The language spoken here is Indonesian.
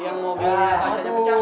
yang mau beli pacarnya pecah